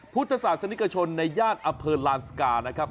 พุทธศาสนิกชนในย่านอำเภอลานสกานะครับ